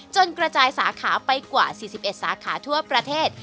กระจายสาขาไปกว่า๔๑สาขาทั่วประเทศ